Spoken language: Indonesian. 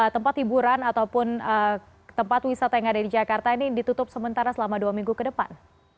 tempat hiburan ataupun tempat wisata yang ada di jakarta ini ditutup sementara selama dua minggu ke depan